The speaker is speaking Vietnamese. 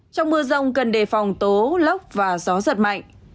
trong mưa rông cần đề phòng tố lốc và gió giật mạnh